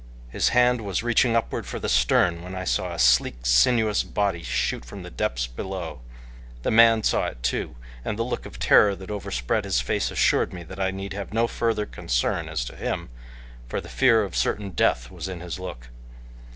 His hand was reaching upward for the stern when I saw a sleek, sinuous body shoot from the depths below. The man saw it too, and the look of terror that overspread his face assured me that I need have no further concern as to him, for the fear of certain death was in his look.